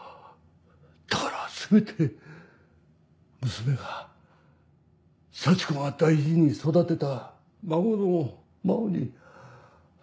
だからせめて娘が幸子が大事に育てた孫の真緒に。